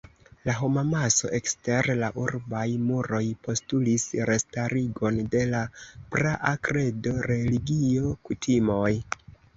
La homamaso ekster la urbaj muroj postulis restarigon de la praa kredo, religio, kutimoj.